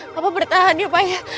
kamu bertahan ya pak ya